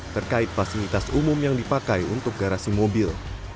terkait fasilitas umum yang dipakai untuk garasi mobil